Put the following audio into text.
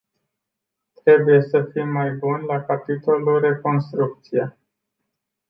Trebuie să fim mai buni la capitolul reconstrucție.